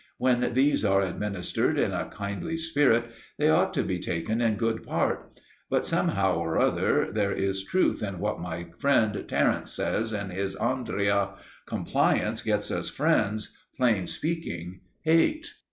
When these are administered in a kindly spirit they ought to be taken in good part. But somehow or other there is truth in what my friend Terence says in his Andria: Compliance gets us friends, plain speaking hate.